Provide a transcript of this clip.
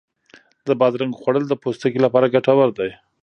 د بادرنګو خوړل د پوستکي لپاره ګټور دی.